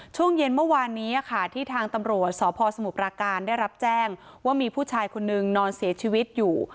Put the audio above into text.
ช่วงเย็นเมื่อวานนี้ค่ะที่ทางตำรวจสพสมุทรปราการได้รับแจ้งว่ามีผู้ชายคนนึงนอนเสียชีวิตอยู่